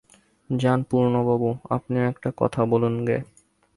যান পূর্ণবাবু, আপনিও একটা কথা বলুনগে।